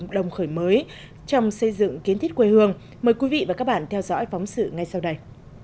đồng khởi mới trong xây dựng kiến thiết quê hương mời quý vị và các bạn theo dõi phóng sự ngay sau đây